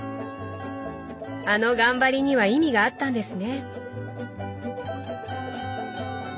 あの頑張りには意味があったんですね。